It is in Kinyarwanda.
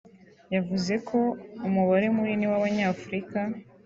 yavuze ko umubare munini w’Abanyafurika